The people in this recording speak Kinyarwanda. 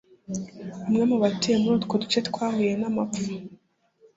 Bamwe mu batuye muri utwo duce twahuye n’amapfa